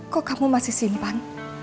kok kamu masih simpan